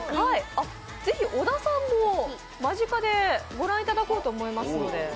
ぜひ小田さんも間近で御覧いただこうと思いますので。